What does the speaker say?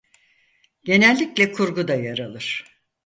Genellikle kurguda yer alır.